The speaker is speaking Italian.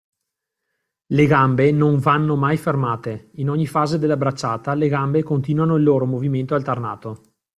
Le gambe non vanno mai fermate, in ogni fase della bracciata le gambe continuano il loro movimento alternato.